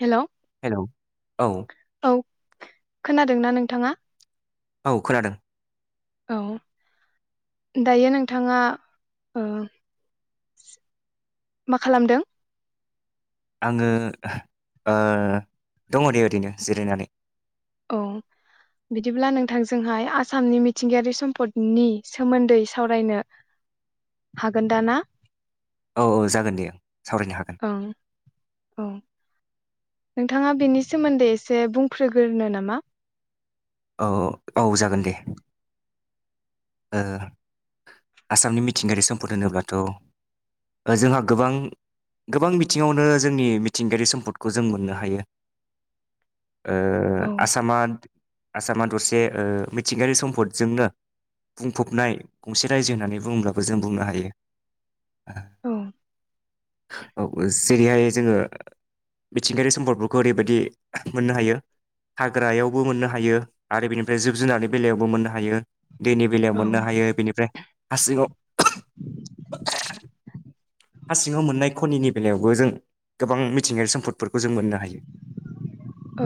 Hello hello औ औ खोनादोंना नोंथाङा औ खोनादों औ दायो नोंथाङा ओ मा खालामदों आङो ओ दङ दे ओरैनो जिरायनानै औ बिदिब्ला नोंथांजोंहाय आसामनि मिथिंगायारि सम्पदनि सोमोन्दै सावरायनो हागोन दा ना औ औ जागोन दे ओं सावरायनो हागोन ओं औ नोंथाङा बेनि सोमोन्दै एसे बुंफ्रोग्रोनो नामा औ अ औ जागोन दे ओ आसामनि मिथिंगायारि सम्पद होनोब्लाथ ओ जोंहा गोबां गोबां बिथिङावनो जोंनि मिथिंगायारि सम्पदखौ जों मोननो हायो ओ औ आसामा आसामा दरसे ओ मिथिंगायारि सम्पदजोंनो बुंफबनाय गंसे राज्यो होननानै बुङोब्लाबो जों बुंनो हायो औ औ जेरैहाय जोङो मिथिंगायारि सम्पदफोरखौ ओरैबायदि मोननो हायो हाग्रायावबो मोननो हायो आरो बेनिफ्राय जिब जुनारनि बेलायावबो मोननो हायो। दैनि बेलायाव औ मोननो हायो बेनिफ्राय हा सिङाव [unintelligible] हा सिङाव मोननाय खनिनि बेलायावबो जों गोबां मिथिंगायारि सम्पदफोरखौ जों मोननो हायो। औ।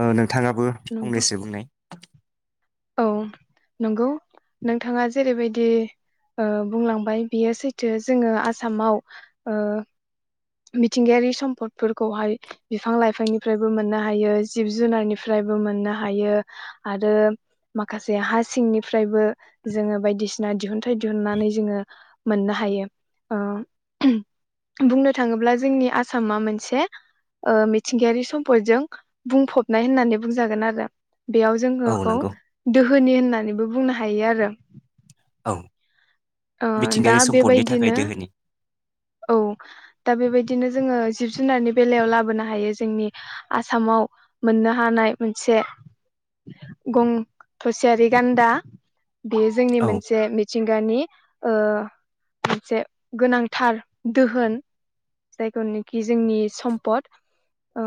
ओ नों थाङाबो नंगौ फंनैसो बुंनाय। औ नोंगौ नोंथाङा जेरैबायदि ओ बुंलांबाय बियो सैथो जोङो आसामाव ओ मिथिंगायारि सम्पदफोरखौहाय बिफां लाइफांनिफ्रायबो मोननो हायो जिब जुनारनिफ्रायबो मोननो हायो आरो माखासे हा सिंनिफ्रायबो जोङो बायदिसिना दिहुनथाइ दिहुननानै जोङो मोननो हायो ओ बुंनो थाङोब्ला जोंनि आसामा मोनसे ओ मिथिंगायारि सम्पदजों बुंफबनाय होननानै बुंजागोन आरो। बेयाव औ जोङोखौ नंगौ दोहोनि होननानैबो बुंनो हायो आरो। औ। ओ दा मिथिंगायारि सम्पदनि थाखाय बेबायदिनो दोहोनि औ दा बेबाय दिनो जोङो जिब जुनारनि बेलायाव लाबोनो हायो जोंनि आसामाव मोननो हानाय मोनसे गं थ'सेयारि गान्दा। बेयो जोंनि औ मोनसे मिथिंगानि ओ मोनसे गोनांथार दोहोन जायखौनोखि जोंनि सम्पद ओ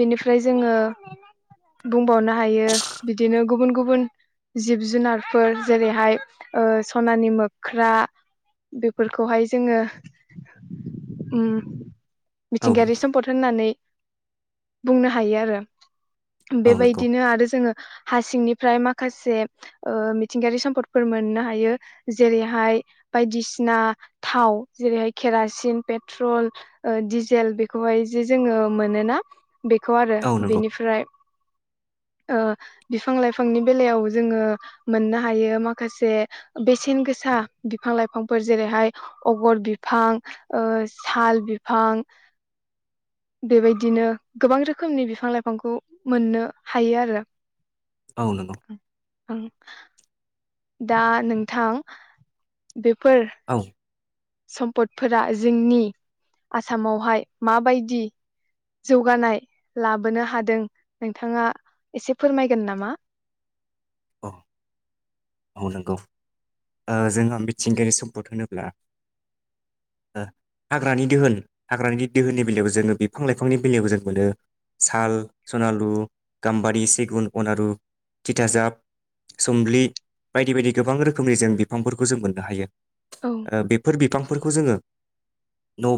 बेनिफ्राय जोङो बुंबावनो हायो बिदिनो गुबुन गुबुन जिब जुनारफोर जेरैहाय ओ सनानि मोख्रा बेफोरखौहाय जोङो उम औ मिथिंगायारि सम्पद होननानै बुंनो हायो आरो। औ नंगौ बेबायदिनो आरो जोङो हा सिंनिफ्राय माखासे ओ मिथिंगायारि सम्पदफोर मोननो हायो। जेरैहाय बायदिसिना थाव जेरैहाय केरासिन, पेट्रल ओ डिजेल बेखौहाय जे जोङो मोनोना बेखौ आरो औ नंगौ बेनिफ्राय ओ बिफां लाइफांनि बेलायाव जोङो मोननो हायो माखासे बेसेन गोसा बिफां लाइफांफोर जेरैहाय अगर बिफां ओ साल बिफां बेबायदिनो गोबां रोखोमनि बिफां लाइफांखौ मोननो हायो आरो। ओ नोंगौ। ओं। दा नोंथां बे फोर औ सम्पदफोरा जोंनि आसामावहाय माबायदि जौगानाय लाबोनो हादों नोंथाङा एसे फोरमायगोन नामा औ। औ नोंगौ ओ जोङो मिथिंगायारि सम्पद होनोब्ला ओ हाग्रानि दोहोन हाग्रानि दोहोननि बेलायाव जोङो बिफां लाइफांनि बेलायाव जों मोनो साल, सनालु, गाम्बारि, सिगुन, अनारु, थिथासाब, सुमब्लि बायदि बायदि गोबां रोखोमनि जों बिफांफोरखौ जों मोननो हायो। औ ओ बेफोर बिफां फोरखौ जोङो न'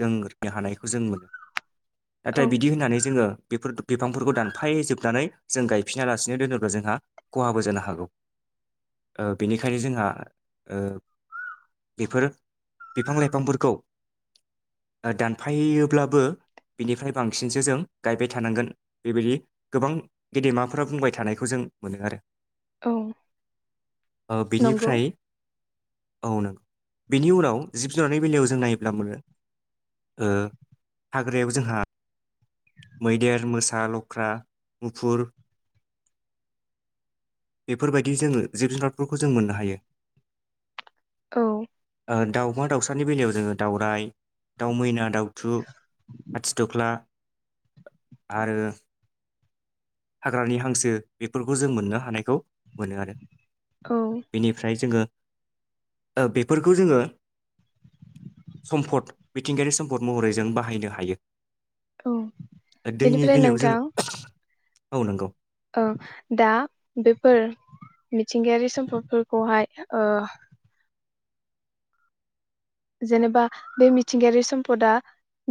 जों [unintelligible] नो हानायखौ जों मोनो। नाथाय औ बिदि होननानै जोङो बेफोर बिफांफोरखौ दानफाय जोबनानै जों गायफिना लासिनो दोनोब्ला जोंहा खहाबो जानो हागौ ओ बेनिखायनो जोंहा ओ बेफोर बिफां लाइफांफोरखौ [unintelligible] दानफायोब्लाबो बिनिफ्राय बांसिनसो जों गायबाय थानांगोन बेबायदि गोबां गेदेमाफ्रा बुंबाय थानायखौ जों मोनो आरो औ ओ नंगौ बिनिफ्राय औ नंगौ बेनि उनाव जिब जुनारनि बेलायाव जों नायोब्ला मोनो। ओ हाग्रायाव जोंहा। मैदेर मोसा लख्रा मुफुर बेफोरबायदि जोङो जिब जुनारफोरखौ जों मोननो हायो। औ ओ दाउमा दाउसानि बेलायाव जोङो दाउरराय दाउ मैना दाउथु आथिद'गला आरो हाग्रानि हांसो बेफोरखौ जों मोननो हानायखौ मोनो आरो। औ बेनिफ्राय जोङो ओ बेफोरखौ जोङो सम्पद मिथिंगायारि सम्पद महरै जों बाहायनो हायो। औ दैनि बेनिफ्राय बेलायाव जों नोंथां। औ नोंगौ। ओ दा बेफोर मिथिंगायारि सम्पदफोरखौहाय ओ। जेनेबा बे मिथिंगायारि सम्पदा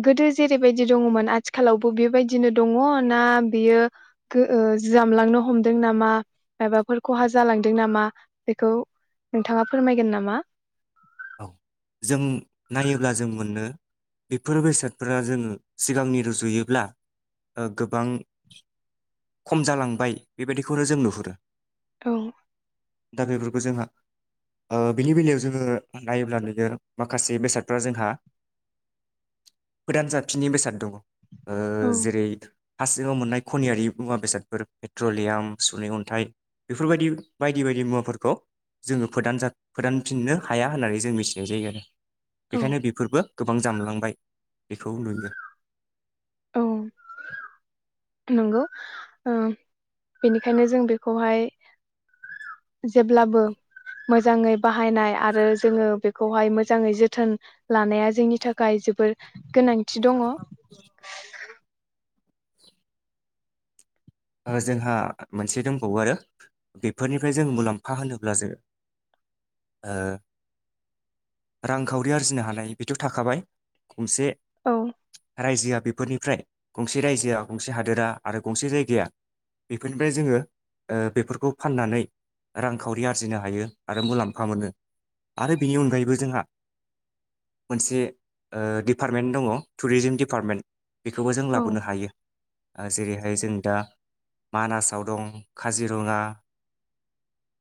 गोदो जेरैबायदि दङमोन आथिखालावबो बेबायदिनो दङ ना बियो ओ जामलांनो हमदों नामा माबाफोर खहा जालांदों नामा बेखौ नोंथाङा फोरमायगोन नामा? औ जों नायोब्ला जों मोनो बेफोर बेसादफोरा जोङो सिगांनि रुजुयोब्ला गोबां खम जालांबाय बेबायदिखौनो जों नुहुरो औं दा बेफोरखौ जोंहा ओ बेनि बेलायाव जोङो नायोब्ला नोगो माखासे बेसादफ्रा जोंहा गोदान जाफिननि बेसाद दङ। ओ औ जेरै हा सिङाव मोननाय खनियारि मुवा बेसादफोर पेट्रलियाम सुनै अन्थाइ बेफोरबायदि बायदि बायदि मुवाफोरखौ जोङो फोदानजा फोदानफिननो हाया होननानै जों मिथिनाय जायो आरो। औ बेखायनो बेफोरबो गोबां जामलांबाय। बेखौ नुगो। औ नंगौ ओ बेनिखायनो जों बेखौहाय जेब्लाबो मोजाङै बाहायनाय आरो जोङो बेखौहाय मोजाङै जोथोन लानाया जोंनि थाखाय जोबोर गोनांथि दङ। अ जोंहा मोनसे दंबावो आरो बेफोरनिफ्राय जों मुलाम्फा होनोब्ला जों ओ रांखावरि आरजिनो हानाय बेथ' थाखाबाय गंसे रायजोआ बे फोरनिफ्राय गंसे रायजोआ गंसे हादोरा आरो गंसे जायगाया बेफोरनिफ्राय जोङो ओ बेफोरखौ फाननानै रांखावरि आरजिनो हायो आरो मुलाम्फा मोनो आरो बेनि अनगायैबो जोंहा मोनसे अ दिपार्टमेन्ट दङ टुरिजिम दिपार्टमेन्ट बेखौबो जों औ लाबोनो हायो। आ जेरैहाय जों दा मानासाव दं खाजिरङा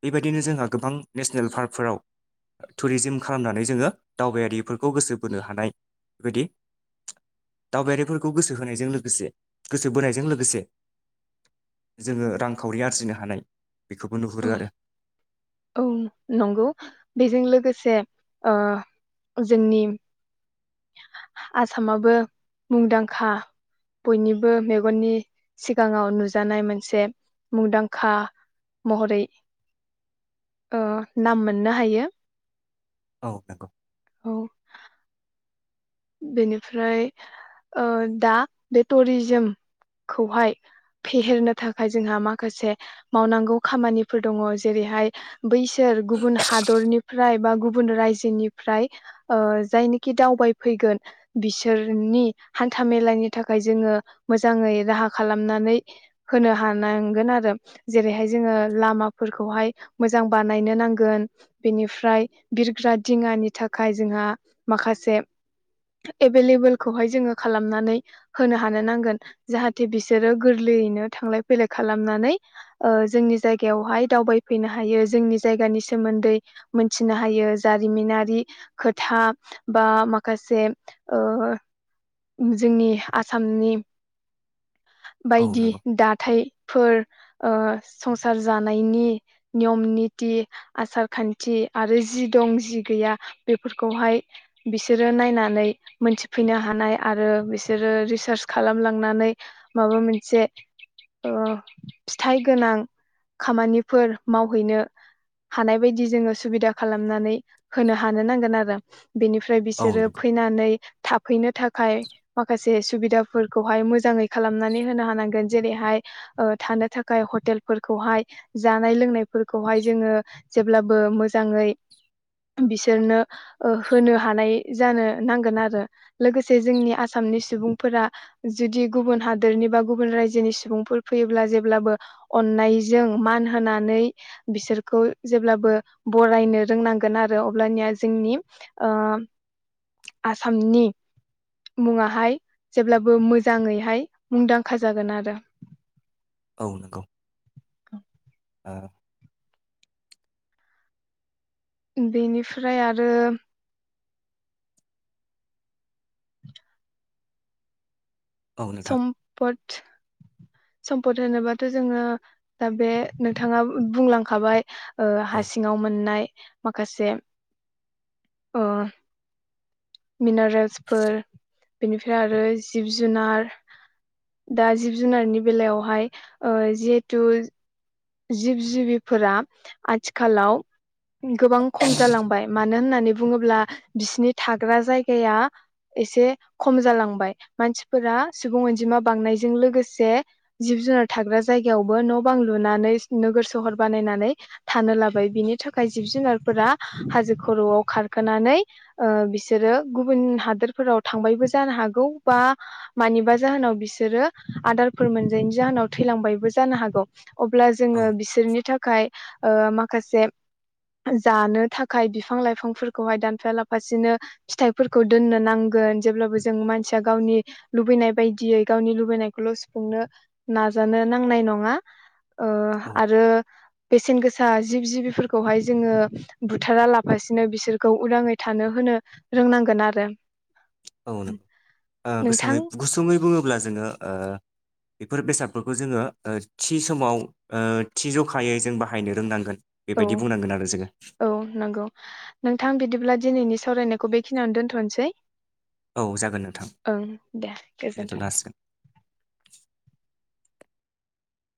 बेबायदिनो जोंहा गोबां नेसनेल पार्कफोराव टुरिजिम खालामनानै जोङो दावबायारिफोरखौ गोसो बोनो हानाय बेबायदि दावबायारिफोरखौ गोसो होनायजों लोगोसे गोसो बोनायजों लोगोसे जोङो रांखावरि आरजिनो हानाय बेखौबो औ नुहुरो आरो। औ नंगौ बेजों लोगोसे अ जोंनि आसामाबो मुंदांखा बयनिबो मेगननि सिगाङाव नुजानाय मोनसे मुंदांखा महरै ओ नाम मोननो हायो। औ नंगौ औ बेनिफ्राय अ दा बे टुरिजेमखौहाय फेहेरनो थाखाय जोंहा माखासे मावनांगौ खामानिफोर दङ। जेरैहाय बैसोर गुबुन हादरनि फ्राय बा गुबुन रायजोनिफ्राय जायनिखि दावबाय फैगोन बिसोरनि हान्था मेलानि थाखाय जोङो मोजाङै राहा खालामनानै होनो हानांगोन आरो जेरैहाय जोङो लामाफोरखौहाय मोजां बानायनो नांगोन बेनिफ्राय बिरग्रा दिङानि थाखाय जोंहा माखासे एभेलेबोलखौहाय जोङो खालामनानै होनो हानो नांगोन जाहाथे बिसोरो गोरलैयैनो थांलाय फैलाय खालामनानै अ जोंनि जायगायावहाय दावबायफैनो हायो जोंनि जायगानि सोमोन्दै मोनथिनो हायो जारिमिनारि खोथा बा माख गाहे ओ-ओ जोंनि आसामनि। औ बायदि नंगौ दाथाय फोर। ओ संसार जानायनि नियम-निति, आसार-खान्थि आरो जि दं जि गैया बेफोरखौहाय बिसोर। बिसोरो नायनानै मोनथिफैनो हानाय आरो बिसोरो रिसार्च खालामलांनानै माबा मोनसे ओ फिथाइ गोनां खामानिफोर मावहैनो हानाय बायदि जोङो सुबिदा खालामनानै होनो हानो नांगोन आरो बेनिफ्राय। औ बिसोरो नंगौ फैनानै थाफैनो थाखाय। थाखाय माखासे सुबिदाफोरखौहाय मोजाङै खालामनानै होनो हानांगोन जेरैहाय ओ थानो थाखाय हटेलफोरखौहाय जानाय लोंनायफोरखौहाय जोङो जेब्लाबो मोजाङै बिसोरनो ओ होनो हानाय। जानो नांगोन आरो लोगोसे जोंनि आसामनि सुबुंफोरा जुदि गुबुन हादोरनि बा गुबुन रायजोनि सुबुंफोर फैयोब्ला जेब्लाबो अन्नायजों मान होनानै बिसोरखौ जेब्लाबो बरायनो रोंनांगोन आरो अब्लानिया जोंनि ओ। आसामनि मुङाहाय जेब्लाबो मोजाङैहाय मुंदांखा जागोन आरो। औ नंगौ। ओ। बेनिफ्राय आरो। औ नोंथां समपद। सम्पद होनोबाथ' जोङो दा बे नोंथाङा बुंलांखाबाय। ओ औ हा सिङाव मोननाय। माखासे। ओ। मिनारेल्सफोर। बेनिफ्राय आरो जिब-जुनार दा जिब-जुनारनि बेलायावहाय ओ जिहेतु। जिब-जिबिफोरा आथिखालाव। गोबां खम जालांबाय मानो। नो होननानै बुङोब्ला बिसिनि थाग्रा जायगाया एसे खम जालांबाय। मानसिफोरा सुबुं अनजिमा बांनायजों लोगोसे जिब-जुनार थाग्रा जायगायावबो न'बां लुनानै। नोगोर सोहर बानायनानै थानो लाबाय बिनि थाखाय जिब जुनारफोरा हाजो खर'आव खारखोनानै ओ बिसोरो गुबुन हादोरफोराव थांबायबो जानो हागौ बा मानिबा जाहोनाव बिसोरो आदारफोर मोनजायैनि जाहोनाव थैलांबायबो जानो हागौ अब्ला। औ जोङो बिसोरनि थाखाय। ओ माखासे जानो थाखाय बिफां-लाइफांफोरखौहाय दानफाया लाफासिनो फिथाइफोरखौ दोननो नांगोन जेब्लाबो जों मानसिया गावनि लुबैनाय बायदियै गावनि लुबैनायखौल' सुफुंनो नाजानो नांनाय नङा। ओ औ आरो बेसेन गोसा। दा जिब जिबिफोरखौहाय जोङो बुथारा लाफासिनो बिसोरखौ उदाङै थानो होनो रोंनांगोन आरो। औ नंगौ ओ नोंथां गुसुङै-गुसुङै बुङोब्ला जोङो ओ। बेफोर बेसादफोरखौ जोङो ओ थि समाव ओ थि जखायै जों बाहायनो रोंनांगोन। बेबायदि बुंनांगोन आरो जोङो औ-औ नंगौ नोंथां बिदिब्ला दिनैनि। सावरायनायखौ बेखिनियावनो दोनथ'नोसै। औ जागोन नोंथां ओं दे गोजोन्थों दोनथ'नो हासिगोन। [inaudible]